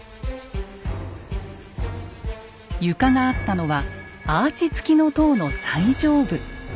床があったのはアーチ付きの塔の最上部。